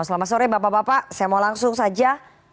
selamat sore bapak bapak saya mau langsung saja